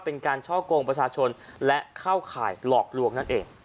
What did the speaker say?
เป็นการช่อกงประชาชนและเข้าข่ายหลอกลวงนั่นเอง